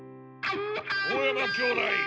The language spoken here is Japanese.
大山兄弟！